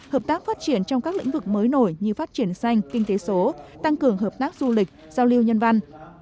hợp tác phát triển trong các lĩnh vực mới nổi như phát triển xanh kinh tế số tăng cường hợp tác du lịch giao lưu nhân văn